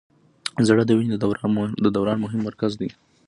زړه د وینې د دوران مهم مرکز دی.